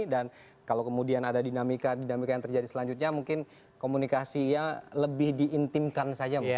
dan kalau kemudian ada dinamika dinamika yang terjadi selanjutnya mungkin komunikasinya lebih diintimkan saja mungkin ya